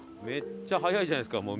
めっちゃ速いじゃないですか。